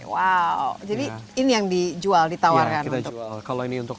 wow jadi ini yang dijual ditawarkan untuk